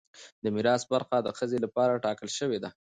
د میراث برخه د ښځې لپاره ټاکل شوې ده.